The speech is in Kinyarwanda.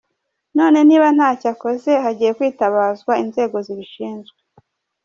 None niba ntacyo akoze hagiye kwitabazwa inzego zibishinzwe.